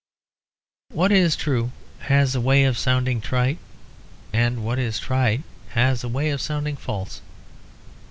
What is true has a way of sounding trite; and what is trite has a way of sounding false.